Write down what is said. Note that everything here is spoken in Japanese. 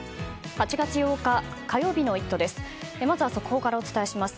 ８月８日、火曜日の「イット！」です。